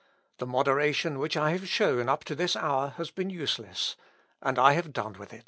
The moderation which I have shown up to this hour has been useless, and I have done with it!"